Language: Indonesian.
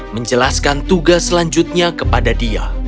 menjelaskan tugas selanjutnya kepada dia